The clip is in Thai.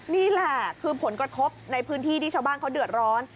นี่แหละคือผลกระทบในพื้นที่ที่ชาวบ้านเขาเดือดร้อน